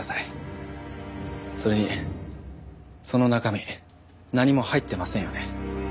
それにその中身何も入ってませんよね。